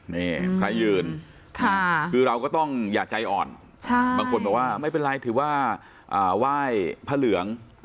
นี่ใครยืนคือเราก็ต้องอย่าใจอ่อนบางคนบอกว่าไม่เป็นไรถือว่าไหว้พระเหลือง